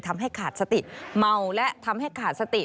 ทำให้ขาดสติเมาและทำให้ขาดสติ